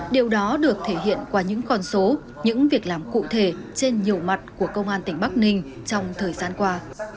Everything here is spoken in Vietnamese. điều đó được thể hiện qua những con số những việc làm cụ thể trên nhiều mặt của công an tỉnh bắc ninh trong thời gian qua